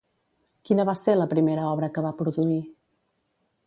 Quina va ser la primera obra que va produir?